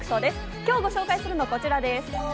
今日ご紹介するのはこちらです。